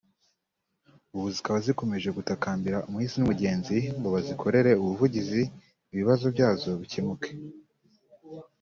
ubu zikaba zikomeje gutakambira umuhisi n’umugenzi ngo bazikorere ubuvugizi ibibazo byazo bikemuke